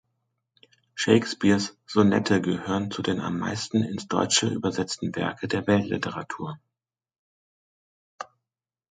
Shakespeares Sonette gehören zu den am meisten ins Deutsche übersetzte Werke der Weltliteratur.